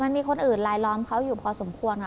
มันมีคนอื่นลายล้อมเขาอยู่พอสมควรค่ะ